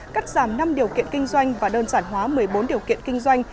cắt giảm năm điều kiện kinh doanh và đơn giản hóa một mươi bốn điều kiện kinh doanh